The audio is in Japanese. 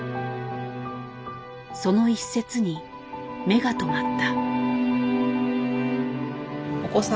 その一節に目が留まった。